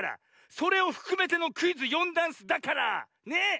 それをふくめてのクイズ「よんだんす」だから！ね。え？